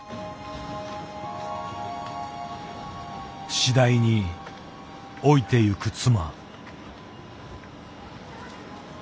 次第に老いてゆく妻。